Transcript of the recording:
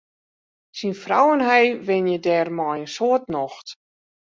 Syn frou en hy wenje dêr mei in soad nocht.